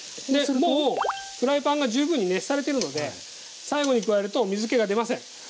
もうフライパンが十分に熱されてるので最後に加えると水けが出ません。